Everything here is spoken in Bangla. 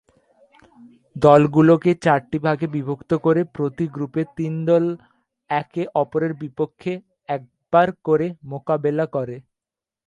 দলগুলোকে চারটি ভাগে বিভক্ত করে প্রতি গ্রুপে তিন দল একে-অপরের বিপক্ষে একবার করে মোকাবেলা করে।